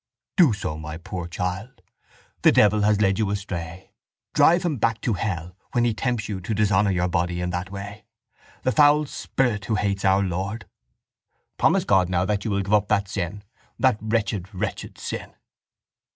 —Do so, my poor child. The devil has led you astray. Drive him back to hell when he tempts you to dishonour your body in that way—the foul spirit who hates Our Lord. Promise God now that you will give up that sin, that wretched wretched sin.